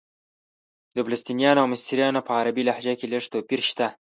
د فلسطنیانو او مصریانو په عربي لهجه کې لږ توپیر شته.